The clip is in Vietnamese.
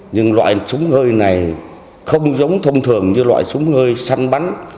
nhưng loại súng hơi này không giống thông thường như loại súng hơi săn bắn